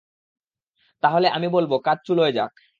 তাহলে, আমি বলব, কাজ চুলোয় যাক!